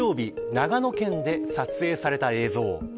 長野県で撮影された映像。